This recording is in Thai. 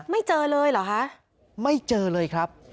ไม่เจอเลยเหรอคะไม่เจอเลยครับ